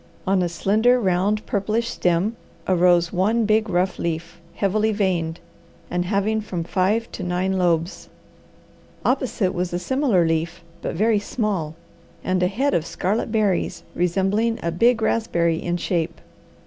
On a slender, round, purplish stem arose one big, rough leaf, heavily veined, and having from five to nine lobes. Opposite was a similar leaf, but very small, and a head of scarlet berries resembling a big raspberry in shape.